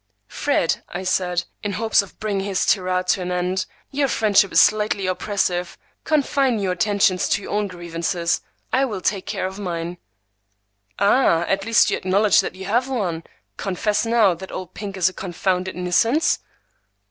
"Fred," I said, in hopes of bringing his tirade to an end, "your friendship is slightly oppressive. Confine your attentions to your own grievances. I will take care of mine." "Ah! at last you acknowledge that you have one. Confess, now, that old Pink is a confounded nuisance!"